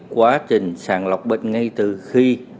quá trình sàng lọc bệnh ngay từ khi